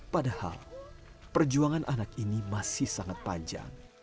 padahal perjuangan anak ini masih sangat panjang